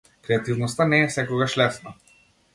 Креативноста не е секогаш лесна.